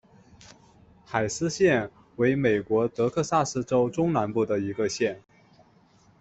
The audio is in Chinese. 海斯县位美国德克萨斯州中南部的一个县。